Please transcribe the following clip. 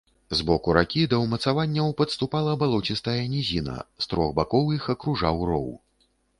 З боку ракі да ўмацаванняў падступала балоцістая нізіна, з трох бакоў іх акружаў роў.